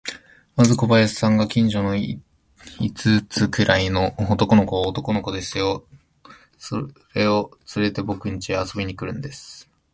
まず小林さんが、近所の五つくらいの男の子を、男の子ですよ、それをつれて、ぼくんちへ遊びに来るんです。